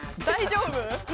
大丈夫？